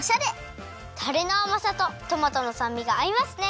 タレのあまさとトマトのさんみがあいますね。